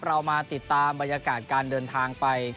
เรามาติดตามบรรยากาศการเดินทางไป